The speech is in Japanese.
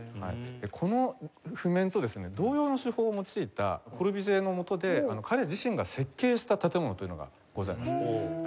この譜面とですね同様の手法を用いたコルビュジエのもとで彼自身が設計した建物というのがございます。